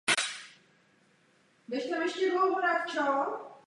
Pustili ho s tim jako s darem k císaři.